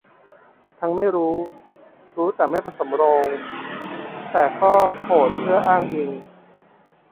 ทั้งไม่รู้ รู้แต่ผสมโรง รู้แต่ก็โควตเพื่ออ้างอิง